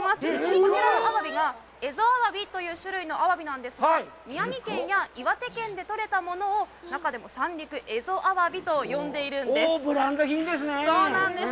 こちらのアワビがエゾアワビという種類のアワビなんですが、宮城県や岩手県で採れたものを中でも三陸蝦夷アワビと呼んでいるんです。